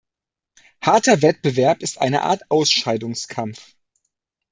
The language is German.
Harter Wettbewerb ist eine Art Ausscheidungskampf.